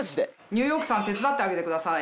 ニューヨークさん手伝ってあげてください。